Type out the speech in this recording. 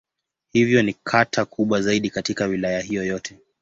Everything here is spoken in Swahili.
Hivyo ni kata kubwa zaidi katika Wilaya hiyo yote.